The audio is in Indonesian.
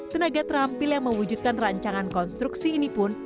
tenaga terampil yang mewujudkan rancangan konstruksi ini pun